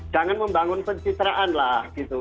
jangan membangun pencitraan lah gitu